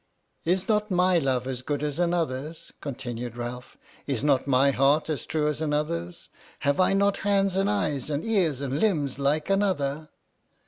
" Is not my love as good as another's?" continued Ralph, " Is not my heart as true as another's ? Have I not hands and eyes and ears and limbs like another?